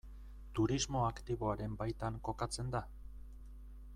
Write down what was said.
Turismo aktiboaren baitan kokatzen da?